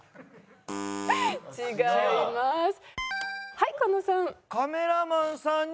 はい狩野さん。